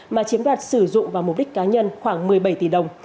mà chiếm đoạt sử dụng vào mục đích cá nhân khoảng một mươi bảy tỷ đồng